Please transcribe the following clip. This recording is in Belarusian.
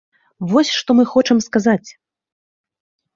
Вось што мы хочам сказаць.